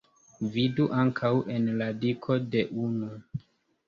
Vidu ankaŭ en radiko de unu.